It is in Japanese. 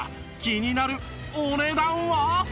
気になるお値段は？